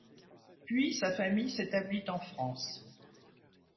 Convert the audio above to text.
Puis sa famille s’établit en France.